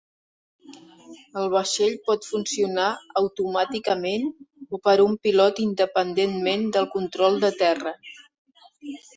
El vaixell pot funcionar automàticament, o per un pilot independentment del control de terra.